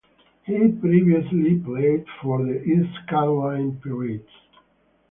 He previously played for the East Carolina Pirates.